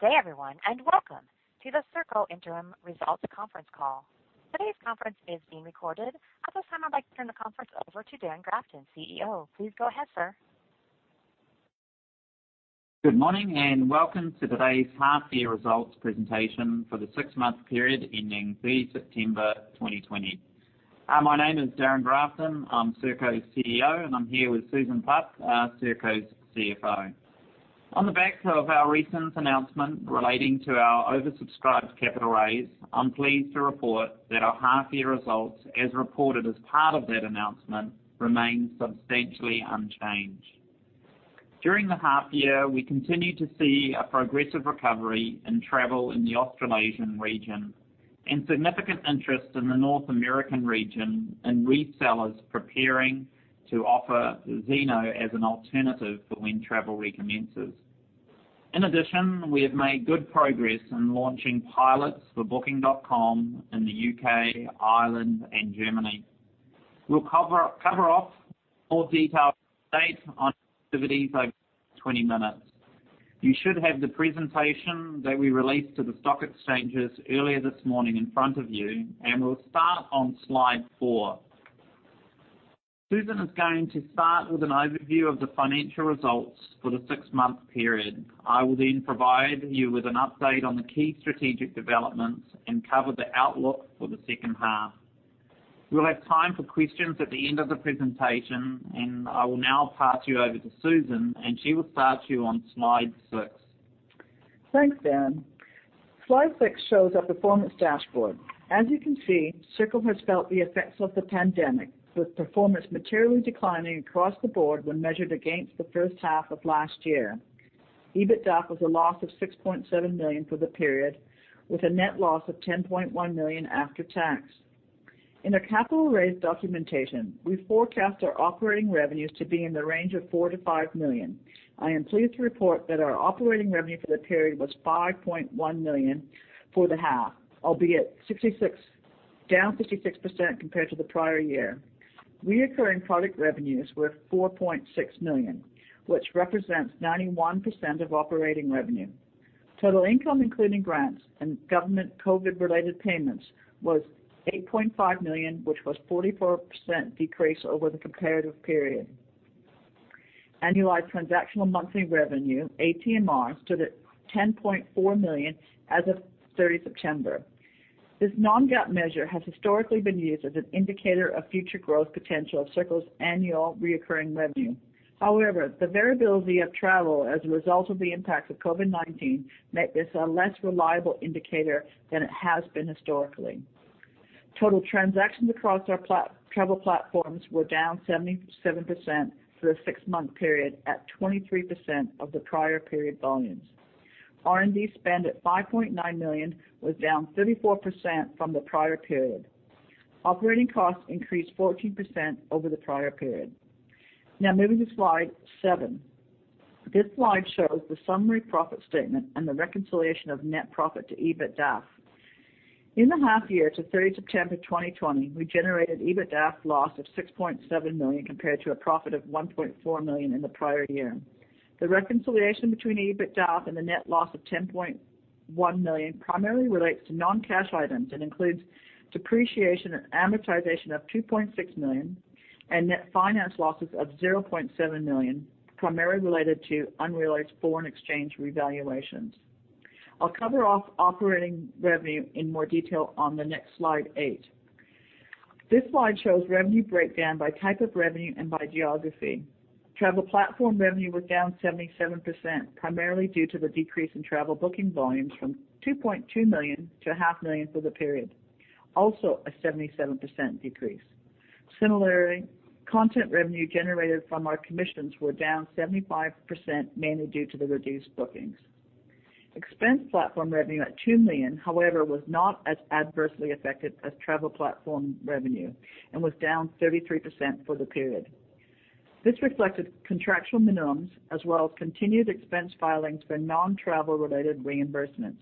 Good day, everyone, and welcome to the Serko interim results conference call. Today's conference is being recorded. At this time, I'd like to turn the conference over to Darrin Grafton, CEO. Please go ahead, sir. Good morning, and welcome to today's half-year results presentation for the six-month period ending 30th September 2020. My name is Darrin Grafton. I'm Serko's CEO, and I'm here with Susan Putt, Serko's CFO. On the back of our recent announcement relating to our oversubscribed capital raise, I'm pleased to report that our half-year results, as reported as part of that announcement, remain substantially unchanged. During the half-year, we continued to see a progressive recovery in travel in the Australasian region and significant interest in the North American region in resellers preparing to offer Zeno as an alternative for when travel recommences. In addition, we have made good progress in launching pilots for Booking.com in the U.K., Ireland, and Germany. We'll cover off more detailed updates on activities over 20 minutes. You should have the presentation that we released to the stock exchanges earlier this morning in front of you, and we'll start on slide four. Susan is going to start with an overview of the financial results for the six-month period. I will then provide you with an update on the key strategic developments and cover the outlook for the second half. We'll have time for questions at the end of the presentation, and I will now pass you over to Susan, and she will start you on slide six. Thanks, Darrin. Slide six shows our performance dashboard. As you can see, Serko has felt the effects of the pandemic, with performance materially declining across the board when measured against the first half of last year. EBITDA was a loss of 6.7 million for the period, with a net loss of 10.1 million after tax. In our capital raise documentation, we forecast our operating revenues to be in the range of 4 million-5 million. I am pleased to report that our operating revenue for the period was 5.1 million for the half, albeit down 56% compared to the prior year. Reoccurring product revenues were 4.6 million, which represents 91% of operating revenue. Total income, including grants and government COVID-related payments, was 8.5 million, which was 44% decrease over the comparative period. Annualized transactional monthly revenue, ATMR, stood at 10.4 million as of 30th September. This non-GAAP measure has historically been used as an indicator of future growth potential of Serko's annual reoccurring revenue. However, the variability of travel as a result of the impact of COVID-19 make this a less reliable indicator than it has been historically. Total transactions across our travel platforms were down 77% for the six-month period, at 23% of the prior period volumes. R&D spend at 5.9 million was down 34% from the prior period. Operating costs increased 14% over the prior period. Now moving to slide seven. This slide shows the summary profit statement and the reconciliation of net profit to EBITDA. In the half year to 30th September 2020. We generated EBITDA loss of 6.7 million, compared to a profit of 1.4 million in the prior year. The reconciliation between EBITDA and the net loss of 10.1 million primarily relates to non-cash items and includes depreciation and amortization of 2.6 million and net finance losses of 0.7 million, primarily related to unrealized foreign exchange revaluations. I'll cover operating revenue in more detail on the next slide eight. This slide shows revenue breakdown by type of revenue and by geography. Travel platform revenue was down 77%, primarily due to the decrease in travel booking volumes from 2.2 million to a half million for the period. Also, a 77% decrease. Similarly, content revenue generated from our commissions were down 75%, mainly due to the reduced bookings. Expense platform revenue at 2 million, however, was not as adversely affected as travel platform revenue and was down 33% for the period. This reflected contractual minimums as well as continued expense filings for non-travel related reimbursements.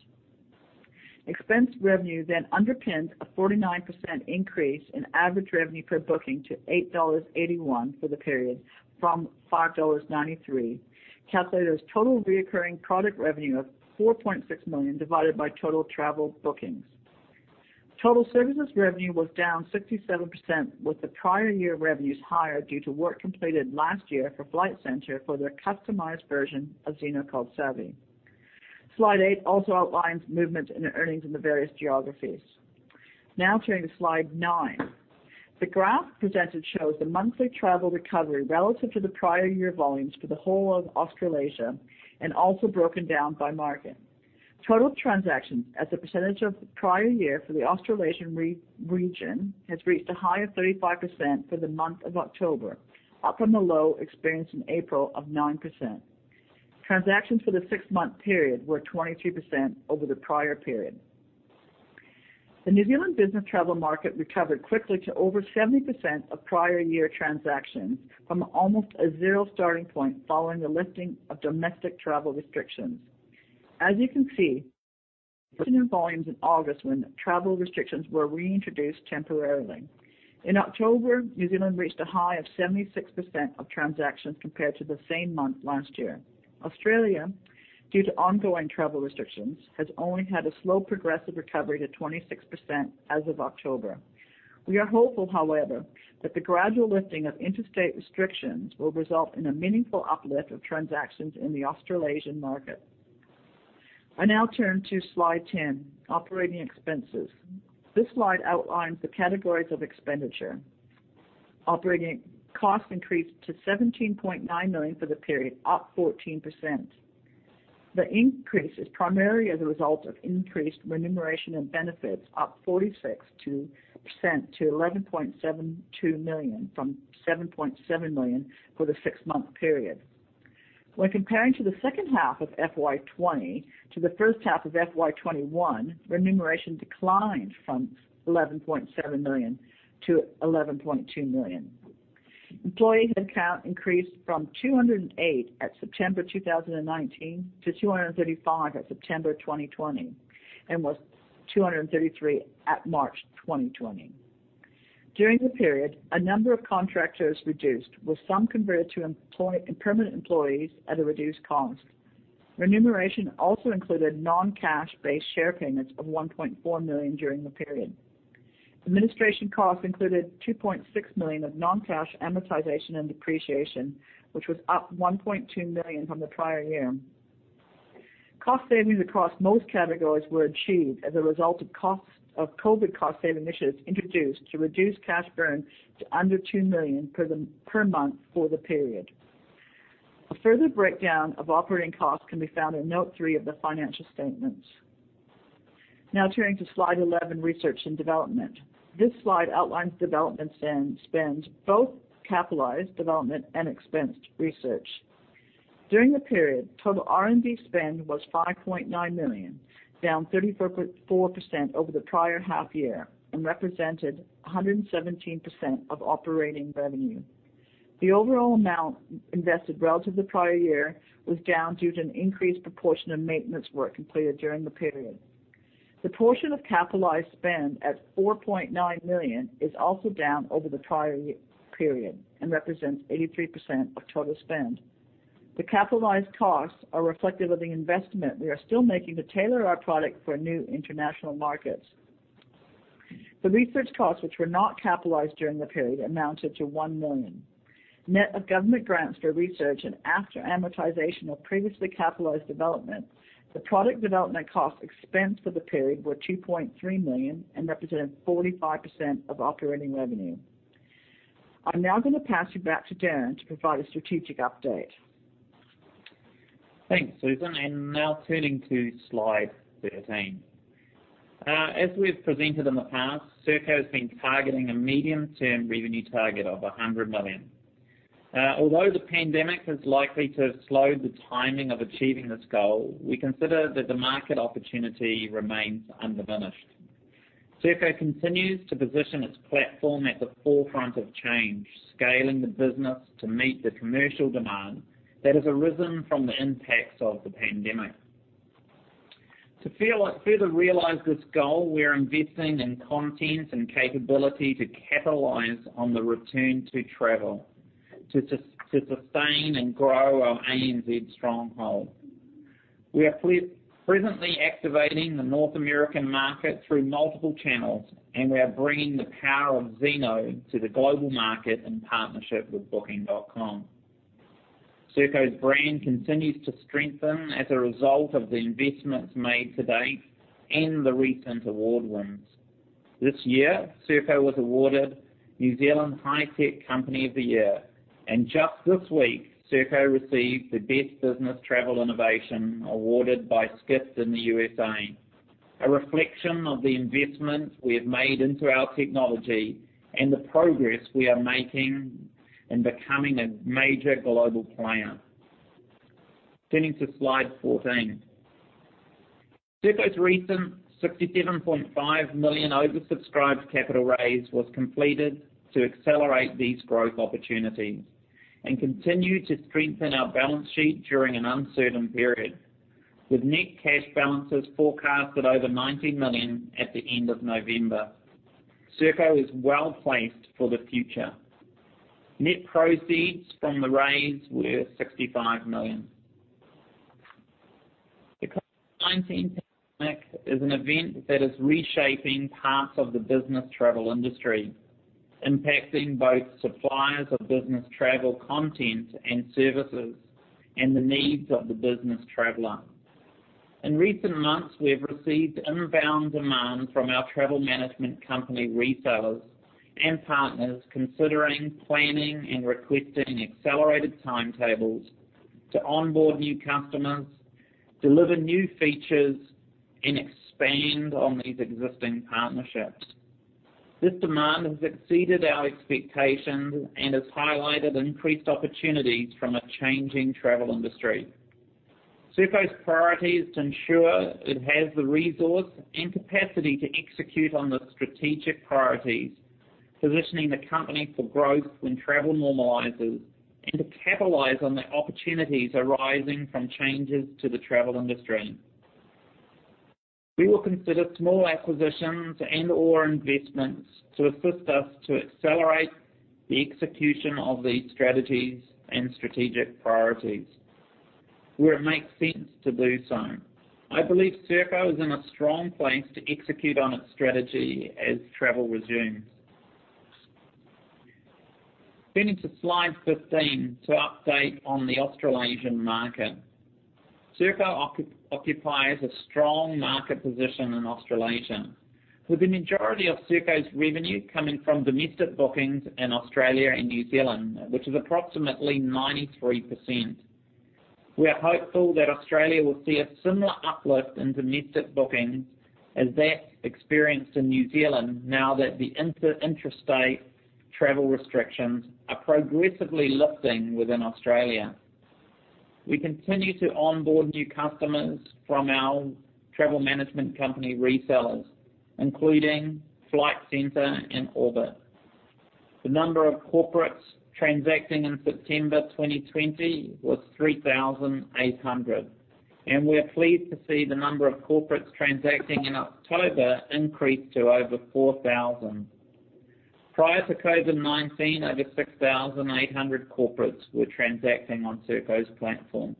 Expense revenue underpins a 49% increase in average revenue per booking to 8.81 dollars for the period from 5.93 dollars, calculated as total recurring product revenue of 4.6 million divided by total travel bookings. Total services revenue was down 67%, with the prior year revenues higher due to work completed last year for Flight Centre for their customized version of Zeno called Savi. Slide eight also outlines movement in earnings in the various geographies. Turning to slide nine. The graph presented shows the monthly travel recovery relative to the prior year volumes for the whole of Australasia and also broken down by market. Total transactions as a percentage of the prior year for the Australasian region has reached a high of 35% for the month of October, up from the low experienced in April of 9%. Transactions for the six-month period were 23% over the prior period. The New Zealand business travel market recovered quickly to over 70% of prior year transactions from almost a zero starting point following the lifting of domestic travel restrictions. As you can see volumes in August when travel restrictions were reintroduced temporarily. In October, New Zealand reached a high of 76% of transactions compared to the same month last year. Australia, due to ongoing travel restrictions, has only had a slow progressive recovery to 26% as of October. We are hopeful, however, that the gradual lifting of interstate restrictions will result in a meaningful uplift of transactions in the Australasian market. I now turn to slide 10, Operating Expenses. This slide outlines the categories of expenditure. Operating costs increased to 17.9 million for the period, up 14%. The increase is primarily as a result of increased remuneration and benefits, up 46% to 11.72 million from 7.7 million for the six-month period. When comparing to the second half of FY 2020 to the first half of FY 2021, remuneration declined from 11.7 million-11.2 million. Employee head count increased from 208 at September 2019 to 235 at September 2020, and was 233 at March 2020. During the period, a number of contractors reduced, with some converted to permanent employees at a reduced cost. Remuneration also included non-cash-based share payments of 1.4 million during the period. Administration costs included 2.6 million of non-cash amortization and depreciation, which was up 1.2 million from the prior year. Cost savings across most categories were achieved as a result of COVID-19 cost-saving initiatives introduced to reduce cash burn to under 2 million per month for the period. A further breakdown of operating costs can be found in Note 3 of the financial stat ements. Now turning to slide 11, Research and Development. This slide outlines development spends, both capitalized development and expensed research. During the period, total R&D spend was 5.9 million, down 34% over the prior half year and represented 117% of operating revenue. The overall amount invested relative to the prior year was down due to an increased proportion of maintenance work completed during the period. The portion of capitalized spend at 4.9 million is also down over the prior year period and represents 83% of total spend. The capitalized costs are reflective of the investment we are still making to tailor our product for new international markets. The research costs which were not capitalized during the period amounted to 1 million. Net of government grants for research and after amortization of previously capitalized development, the product development costs expensed for the period were 2.3 million and represented 45% of operating revenue. I'm now going to pass you back to Darrin to provide a strategic update. Thanks, Susan. Now turning to slide 13. As we've presented in the past, Serko has been targeting a medium-term revenue target of 100 million. Although the pandemic is likely to have slowed the timing of achieving this goal, we consider that the market opportunity remains undiminished. Serko continues to position its platform at the forefront of change, scaling the business to meet the commercial demand that has arisen from the impacts of the pandemic. To further realize this goal, we are investing in content and capability to capitalize on the return to travel, to sustain and grow our ANZ stronghold. We are presently activating the North American market through multiple channels, and we are bringing the power of Zeno to the global market in partnership with Booking.com. Serko's brand continues to strengthen as a result of the investments made to date and the recent award wins. This year, Serko was awarded New Zealand Hi-Tech Company of the Year, and just this week, Serko received the Best Business Travel Innovation awarded by Skift in the USA, a reflection of the investment we have made into our technology and the progress we are making in becoming a major global player. Turning to slide 14. Serko's recent 67.5 million oversubscribed capital raise was completed to accelerate these growth opportunities and continue to strengthen our balance sheet during an uncertain period. With net cash balances forecast at over 90 million at the end of November, Serko is well-placed for the future. Net proceeds from the raise were 65 million. The COVID-19 pandemic is an event that is reshaping parts of the business travel industry, impacting both suppliers of business travel content and services and the needs of the business traveler. In recent months, we have received inbound demand from our travel management company retailers and partners considering planning and requesting accelerated timetables to onboard new customers, deliver new features, and expand on these existing partnerships. This demand has exceeded our expectations and has highlighted increased opportunities from a changing travel industry. Serko's priority is to ensure it has the resource and capacity to execute on the strategic priorities, positioning the company for growth when travel normalizes and to capitalize on the opportunities arising from changes to the travel industry. We will consider small acquisitions and/or investments to assist us to accelerate the execution of these strategies and strategic priorities where it makes sense to do so. I believe Serko is in a strong place to execute on its strategy as travel resumes. Into slide 15 to update on the Australasian market. Serko occupies a strong market position in Australasia, with the majority of Serko's revenue coming from domestic bookings in Australia and New Zealand, which is approximately 93%. We are hopeful that Australia will see a similar uplift in domestic bookings as that experienced in New Zealand now that the interstate travel restrictions are progressively lifting within Australia. We continue to onboard new customers from our travel management company resellers, including Flight Centre and Orbit. The number of corporates transacting in September 2020 was 3,800. We're pleased to see the number of corporates transacting in October increase to over 4,000. Prior to COVID-19, over 6,800 corporates were transacting on Serko's platform.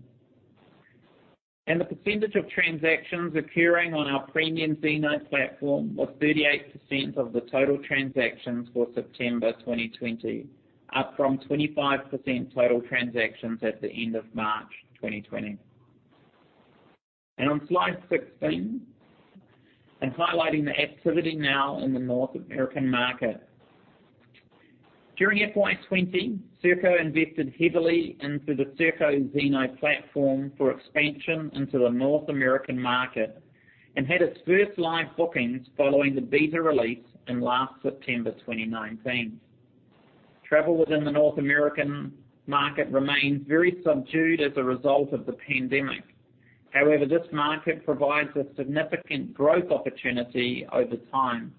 The percentage of transactions occurring on our premium Zeno platform was 38% of the total transactions for September 2020, up from 25% total transactions at the end of March 2020. On slide 16, I'm highlighting the activity now in the North American market. During FY 2020, Serko invested heavily into the Serko Zeno platform for expansion into the North American market, and had its first live bookings following the beta release in last September 2019. Travel within the North American market remains very subdued as a result of the pandemic. However, this market provides a significant growth opportunity over time,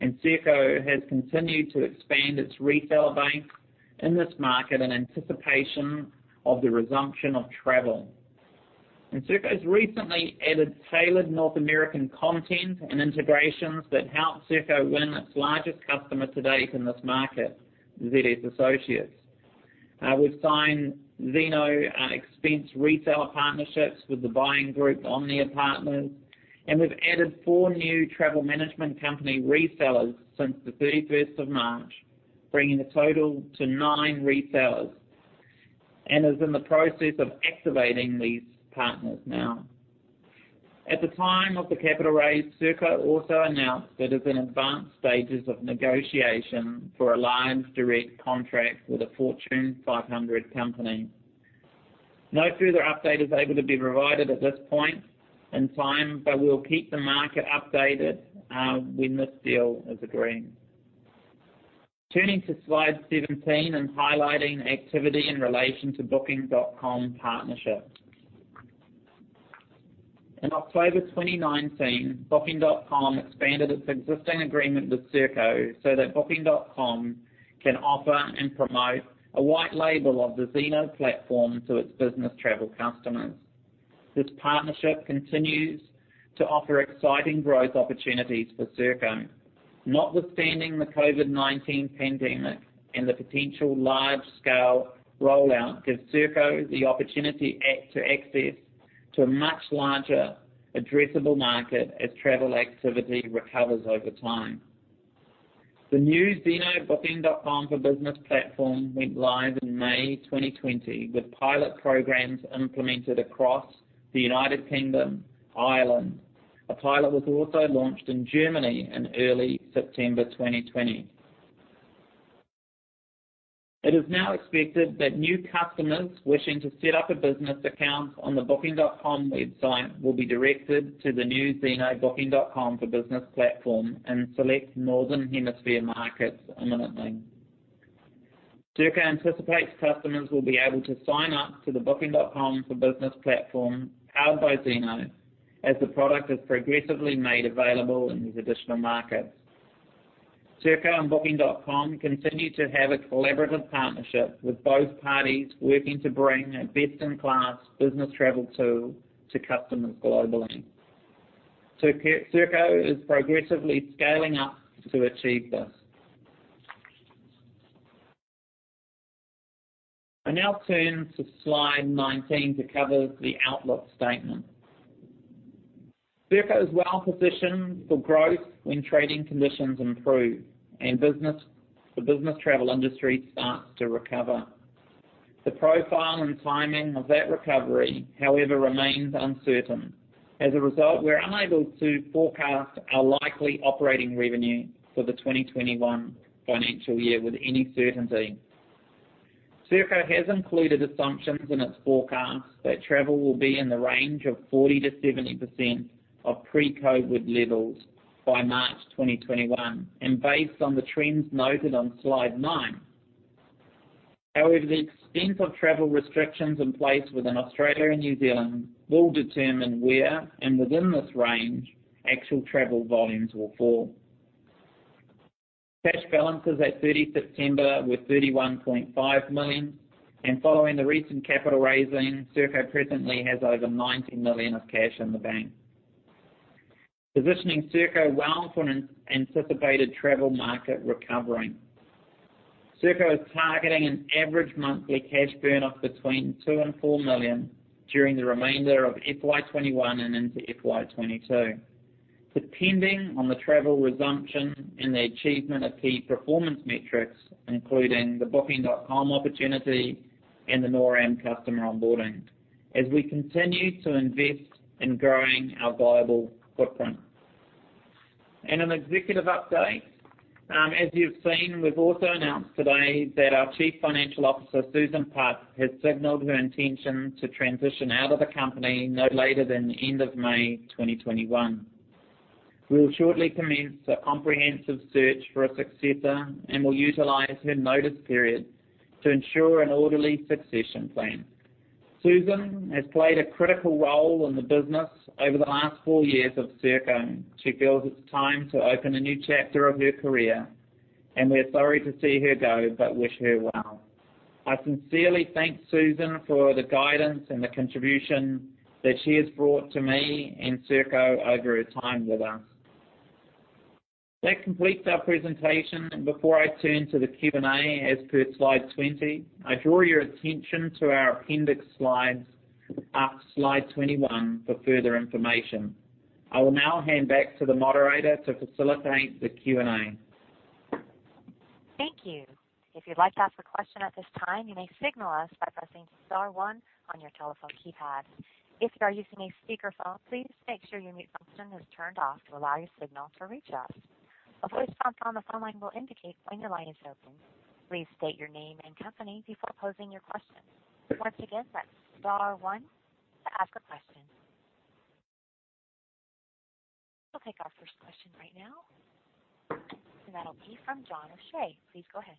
and Serko has continued to expand its reseller bank in this market in anticipation of the resumption of travel. Serko's recently added tailored North American content and integrations that helped Serko win its largest customer to date in this market, ZS Associates. We've signed Zeno Expense reseller partnerships with the buying group OMNIA Partners, and we've added four new travel management company resellers since the 31st of March, bringing the total to nine resellers, and is in the process of activating these partners now. At the time of the capital raise, Serko also announced that it's in advanced stages of negotiation for a live direct contract with a Fortune 500 company. No further update is able to be provided at this point in time, but we'll keep the market updated when this deal is agreed. Turning to slide 17, I'm highlighting activity in relation to Booking.com partnership. In October 2019, Booking.com expanded its existing agreement with Serko so that Booking.com can offer and promote a white label of the Zeno platform to its business travel customers. This partnership continues to offer exciting growth opportunities for Serko. Notwithstanding the COVID-19 pandemic and the potential large-scale rollout gives Serko the opportunity to access to a much larger addressable market as travel activity recovers over time. The new Zeno Booking.com for Business platform went live in May 2020 with pilot programs implemented across the U.K., Ireland. A pilot was also launched in Germany in early September 2020. It is now expected that new customers wishing to set up a business account on the booking.com website will be directed to the new Zeno Booking.com for Business platform in select Northern Hemisphere markets imminently. Serko anticipates customers will be able to sign up to the Booking.com for Business platform powered by Zeno as the product is progressively made available in these additional markets. Serko and Booking.com continue to have a collaborative partnership with both parties working to bring a best-in-class business travel tool to customers globally. Serko is progressively scaling up to achieve this. I now turn to slide 19 to cover the outlook statement. Serko is well positioned for growth when trading conditions improve and the business travel industry starts to recover. The profile and timing of that recovery, however, remains uncertain. As a result, we're unable to forecast our likely operating revenue for the 2021 financial year with any certainty. Serko has included assumptions in its forecasts that travel will be in the range of 40%-70% of pre-COVID levels by March 2021, and based on the trends noted on slide nine. However, the extent of travel restrictions in place within Australia and New Zealand will determine where, and within this range, actual travel volumes will fall. Cash balances at 30 September were 31.5 million. Following the recent capital raising, Serko presently has over 90 million of cash in the bank, positioning Serko well for an anticipated travel market recovery. Serko is targeting an average monthly cash burn-off between 2 million and 4 million during the remainder of FY 2021 and into FY 2022. Depending on the travel resumption and the achievement of key performance metrics, including the Booking.com opportunity and the North Am customer onboarding, as we continue to invest in growing our viable footprint. In an executive update, as you've seen, we've also announced today that our Chief Financial Officer, Susan Putt, has signaled her intention to transition out of the company no later than the end of May 2021. We'll shortly commence a comprehensive search for a successor and will utilize her notice period to ensure an orderly succession plan. Susan has played a critical role in the business over the last four years of Serko. She feels it's time to open a new chapter of her career, and we're sorry to see her go, but wish her well. I sincerely thank Susan for the guidance and the contribution that she has brought to me and Serko over her time with us. That completes our presentation. Before I turn to the Q&A, as per slide 20, I draw your attention to our appendix slides, slide 21, for further information. I will now hand back to the moderator to facilitate the Q&A. Thank you. If you'd like to ask a question at this time, you may signal us by pressing star one on your telephone keypad. If you are using a speakerphone, please make sure your mute function is turned off to allow your signal to reach us. A voice prompt on the phone line will indicate when your line is open. Please state your name and company before posing your question. Once again, that's star one to ask a question. We'll take our first question right now. That'll be from John O'Shea. Please go ahead.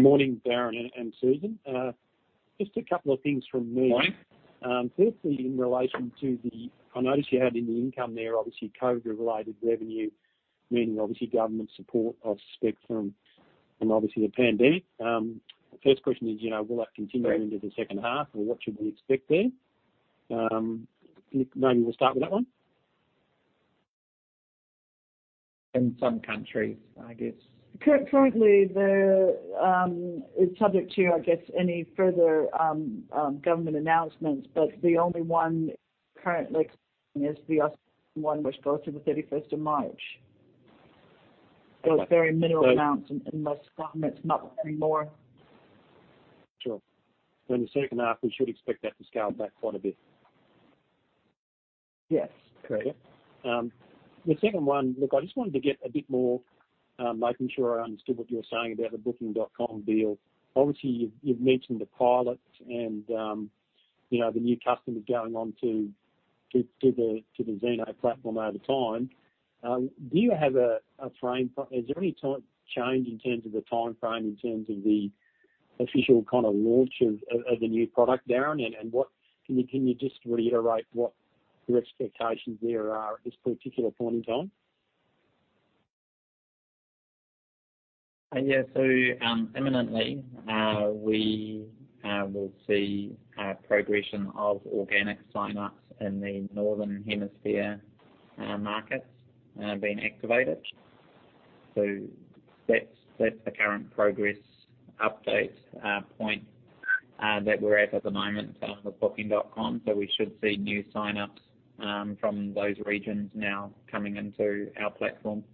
Morning, Darrin and Susan. Just a couple of things from me. Morning. Firstly, in relation to I noticed you had in the income there, obviously, COVID-related revenue, meaning, obviously, government support, I suspect, from obviously the pandemic. First question is, will that continue into the second half? What should we expect there? Maybe we'll start with that one. In some countries, I guess. Currently, it's subject to, I guess, any further government announcements. The only one currently is the Australian one, which goes to the 31st of March. Those very minimal amounts unless government's not offering more. Sure. In the second half, we should expect that to scale back quite a bit. Yes, correct. The second one, look, I just wanted to get a bit more, making sure I understood what you were saying about the Booking.com deal. Obviously, you've mentioned the pilot and the new customers going on to the Zeno platform over time. Is there any change in terms of the timeframe in terms of the official launch of the new product, Darrin? Can you just reiterate what your expectations there are at this particular point in time? Yeah. Imminently, we will see progression of organic sign-ups in the Northern Hemisphere markets being activated. That's the current progress update point that we're at the moment with Booking.com. We should see new sign-ups from those regions now coming into our platform.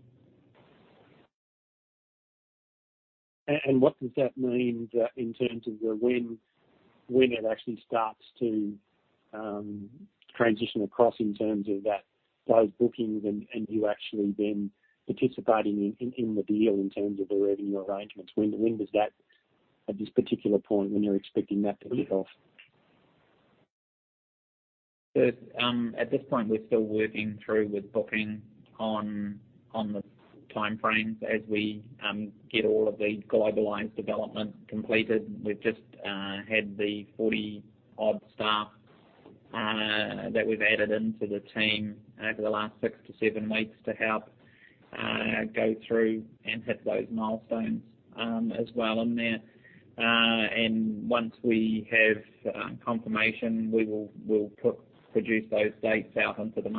What does that mean in terms of when it actually starts to transition across in terms of those bookings and you actually then participating in the deal in terms of the revenue arrangements? When does that, at this particular point, when you're expecting that to kick off? At this point, we're still working through with Booking on the timeframes as we get all of the globalized development completed. We've just had the 40-odd staff that we've added into the team over the last six to seven weeks to help go through and hit those milestones as well in there. Once we have confirmation, we'll produce those dates out into the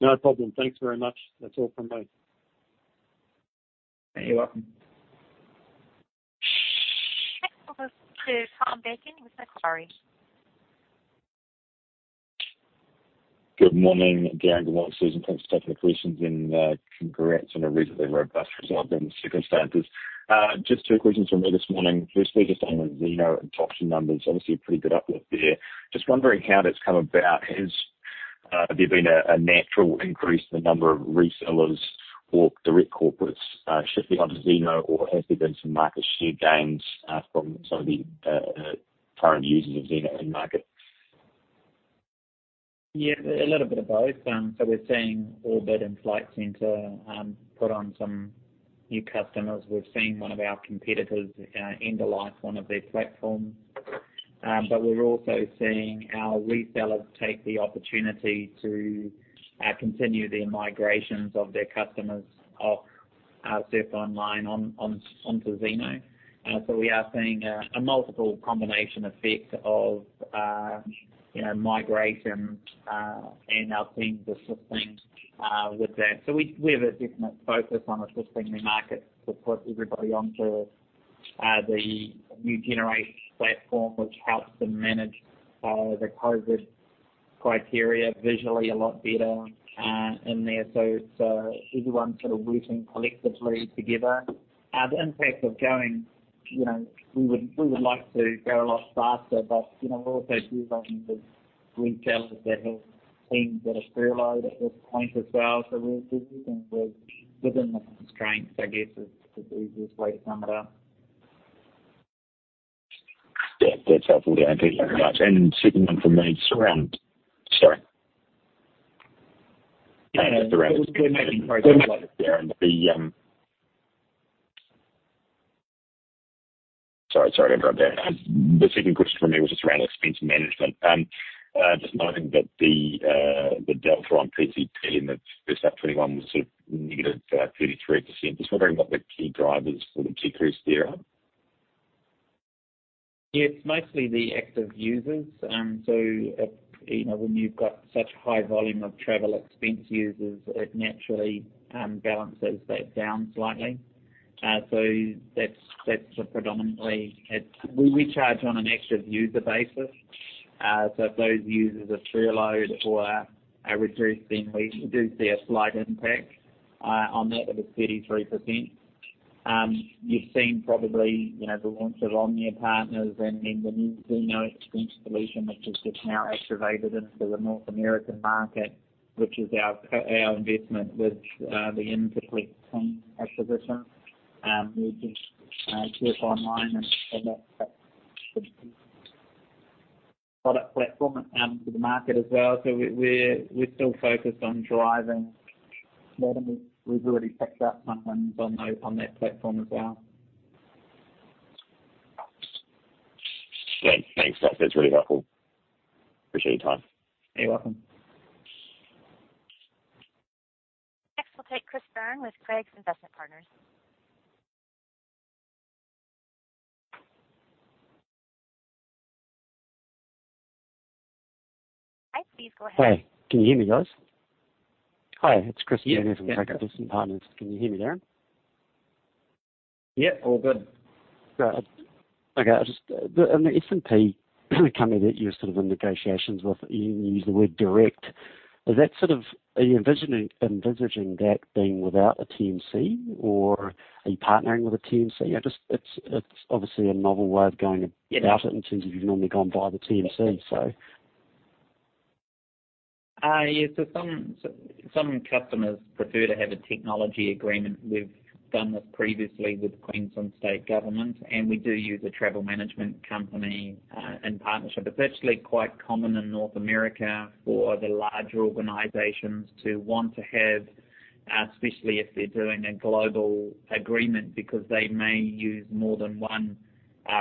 market. Sure. No problem. Thanks very much. That's all from me. You're welcome. Next we'll go to Tom Bacon with Macquarie. Good morning, Darrin, Susan. Thanks for taking the questions, and congrats on a reasonably robust result given the circumstances. Two questions from me this morning. Firstly, on the Zeno adoption numbers, obviously a pretty good uplift there. Wondering how that's come about. Has there been a natural increase in the number of resellers or direct corporates shifting onto Zeno, or has there been some market share gains from some of the current users of Zeno in market? Yeah, a little bit of both. We're seeing Orbit and Flight Centre put on some new customers. We're seeing one of our competitors end of life one of their platforms. We're also seeing our resellers take the opportunity to continue their migrations of their customers off Serko Online onto Zeno. We are seeing a multiple combination effect of migration, and our teams assisting with that. We have a definite focus on assisting the market to put everybody onto the new generation platform, which helps them manage the COVID criteria visually a lot better in there. Everyone's sort of working collectively together. The impact of going, we would like to go a lot faster, but we're also dealing with retailers that have teams that are furloughed at this point as well. We're dealing with within the constraints, I guess, is the easiest way to sum it up. Yeah. That's helpful, Darrin. Thank you very much. Second one from me, Sorry. No, it was good making progress. Sorry to interrupt there. The second question from me was just around expense management. Just noting that the delta on PCP in the first half 2021 was sort of negative 33%. Just wondering what the key drivers or the key clues there are. Yeah. It's mostly the active users. When you've got such high volume of travel expense users, it naturally balances that down slightly. That's predominantly it. We charge on an active user basis. If those users are furloughed or are reduced, then we do see a slight impact on that of a 33%. You've seen probably, the launch of OMNIA Partners and then the new Zeno Expense solution, which has just now activated into the North American market, which is our investment with the InterplX team acquisition. We just Serko Online and product platform into the market as well. We're still focused on driving volume. We've already picked up some volumes on that platform as well. Yeah. Thanks. That's really helpful. Appreciate your time. You're welcome. Next, we'll take Chris Byrne with Craigs Investment Partners. Hi, please go ahead. Hey, can you hear me, guys? Hi, it's Chris Byrne. Yeah. From Craigs Investment Partners. Can you hear me, Darrin? Yeah, all good. Great. Okay. Just the S&P company that you're sort of in negotiations with, you used the word direct. Are you envisaging that being without a TMC, or are you partnering with a TMC? It's obviously a novel way of going about it in terms of you've normally gone via the TMC. Yeah. Some customers prefer to have a technology agreement. We've done this previously with Queensland state government, and we do use a travel management company in partnership. It's actually quite common in North America for the larger organizations to want to have, especially if they're doing a global agreement because they may use more than one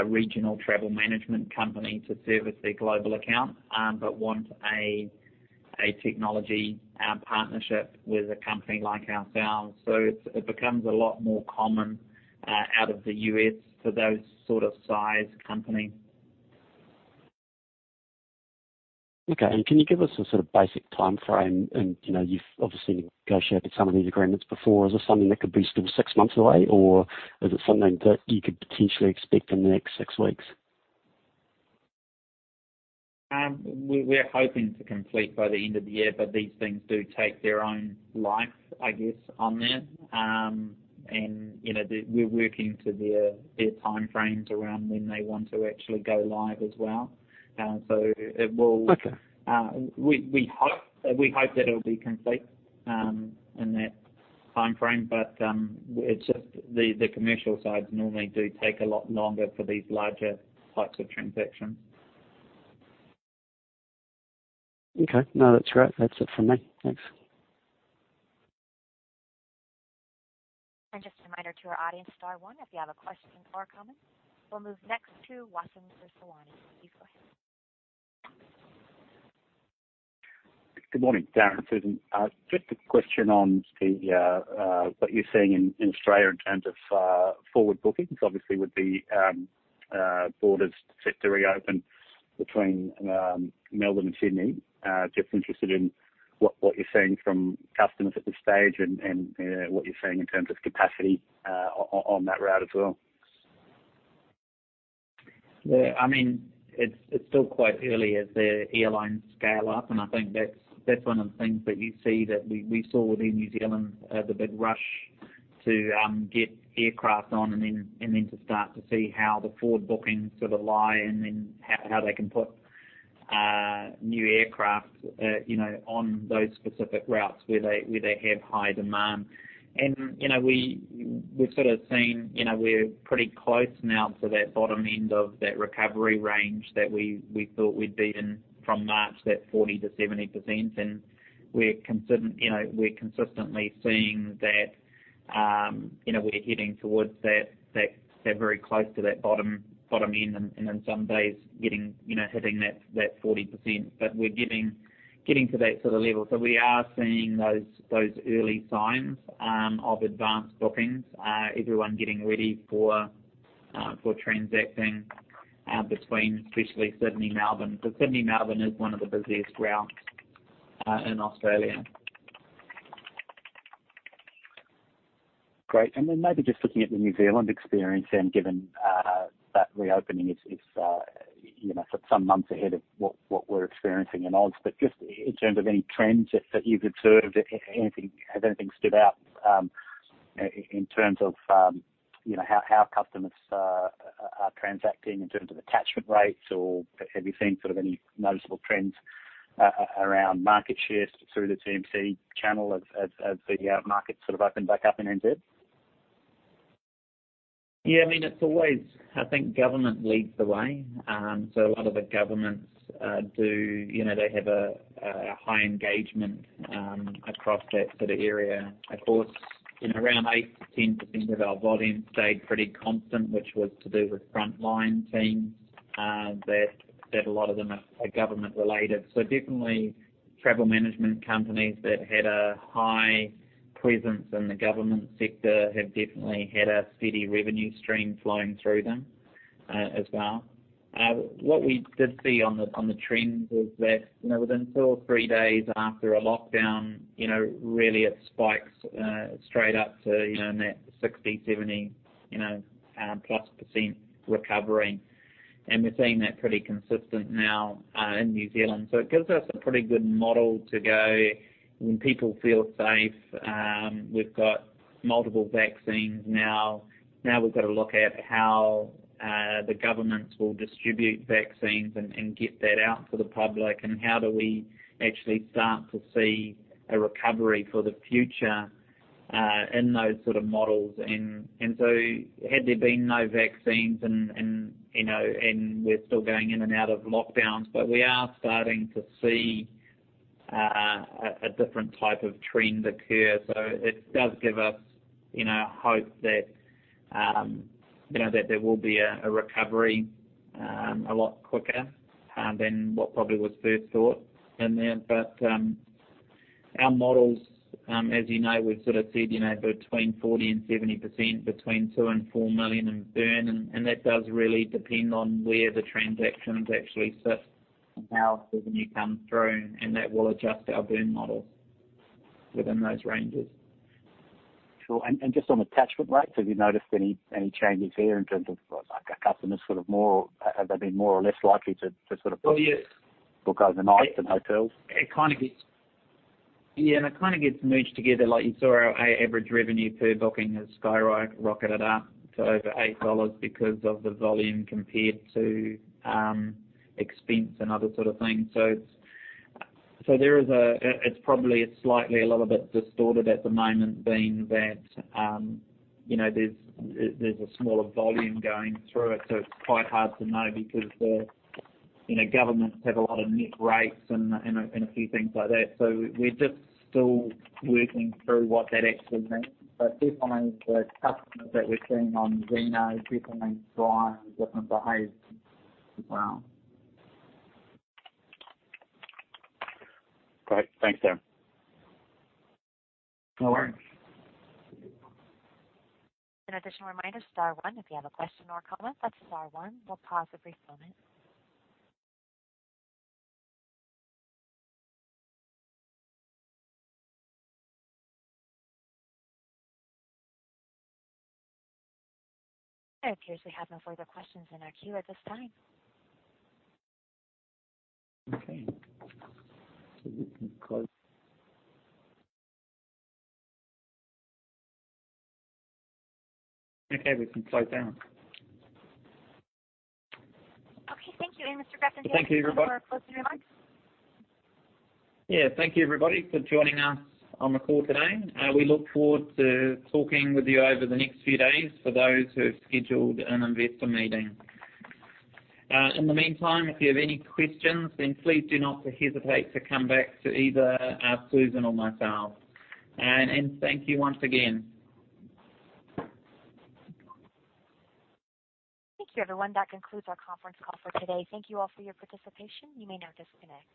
regional travel management company to service their global account, but want a technology partnership with a company like ourselves. It becomes a lot more common out of the U.S. for those sort of size company. Okay. Can you give us a sort of basic timeframe? You've obviously negotiated some of these agreements before. Is this something that could be still six months away, or is it something that you could potentially expect in the next six weeks? We're hoping to complete by the end of the year, but these things do take their own life, I guess, on that. We're working to their timeframes around when they want to actually go live as well. We hope that it'll be complete in that timeframe, but it's just the commercial sides normally do take a lot longer for these larger types of transactions. Okay. No, that's great. That's it from me. Thanks. Just a reminder to our audience, star one if you have a question or comment. We'll move next to Wassim Essawafy. Please go ahead. Good morning, Darrin and Susan. Just a question on what you're seeing in Australia in terms of forward bookings, obviously with the borders set to reopen between Melbourne and Sydney. Just interested in what you're seeing from customers at this stage and what you're seeing in terms of capacity on that route as well. Yeah. It's still quite early as the airlines scale up, and I think that's one of the things that you see that we saw within New Zealand, the big rush to get aircraft on and then to start to see how the forward bookings sort of lie and then how they can put new aircraft on those specific routes where they have high demand. We've sort of seen, we're pretty close now to that bottom end of that recovery range that we thought we'd be in from March, that 40%-70%. We're consistently seeing that we're heading towards that, very close to that bottom end, and then some days hitting that 40%. We're getting to that sort of level. We are seeing those early signs of advanced bookings, everyone getting ready for transacting between especially Sydney, Melbourne. Sydney, Melbourne is one of the busiest routes in Australia. Great. Maybe just looking at the New Zealand experience and given that reopening is some months ahead of what we're experiencing in Aus, but just in terms of any trends that you've observed, has anything stood out in terms of how customers are transacting in terms of attachment rates, or have you seen any noticeable trends around market share through the TMC channel as the market opened back up in NZ? I mean, it's always, I think government leads the way. A lot of the governments do, they have a high engagement across that sort of area. Of course, around 8%-10% of our volume stayed pretty constant, which was to do with frontline teams, that a lot of them are government-related. Definitely travel management companies that had a high presence in the government sector have definitely had a steady revenue stream flowing through them as well. What we did see on the trends was that within two or three days after a lockdown, really it spikes straight up to that 60%, 70%+ recovery. We're seeing that pretty consistent now in New Zealand. It gives us a pretty good model to go when people feel safe. We've got multiple vaccines now. We've got to look at how the governments will distribute vaccines and get that out to the public, and how do we actually start to see a recovery for the future in those sort of models. Had there been no vaccines and we're still going in and out of lockdowns, but we are starting to see a different type of trend occur. It does give us hope that there will be a recovery a lot quicker than what probably was first thought. Our models, as you know, we've sort of said between 40%-70%, between 2 million and 4 million in burn, and that does really depend on where the transactions actually sit and how revenue comes through, and that will adjust our burn model within those ranges. Sure. Just on attachment rates, have you noticed any changes here in terms of Have they been more or less likely to? Oh, yes. Book overnights in hotels? Yeah, it kind of gets merged together, like you saw our average revenue per booking has skyrocketed up to over 8 dollars because of the volume compared to expense and other sort of things. Probably it's slightly a little bit distorted at the moment being that there's a smaller volume going through it, so it's quite hard to know because the governments have a lot of net rates and a few things like that. We're just still working through what that actually means. Definitely the customers that we're seeing on Zeno definitely drive different behavior as well. Great. Thanks, Darrin. No worries. In addition, a reminder, star one if you have a question or comment. That's star one. We'll pause briefly for a moment. It appears we have no further questions in our queue at this time. Okay, we can close down. Okay, thank you. Mr. Grafton, do you have any final remarks? Yeah. Thank you, everybody, for joining us on the call today. We look forward to talking with you over the next few days for those who have scheduled an investor meeting. In the meantime, if you have any questions, then please do not hesitate to come back to either Susan or myself. Thank you once again. Thank you, everyone. That concludes our conference call for today. Thank you all for your participation. You may now disconnect.